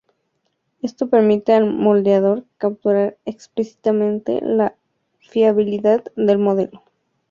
Esto permite al modelador capturar explícitamente la fiabilidad del modelo.